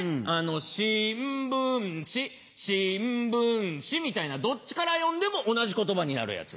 「しんぶんし」「しんぶんし」みたいなどっちから読んでも同じ言葉になるやつ。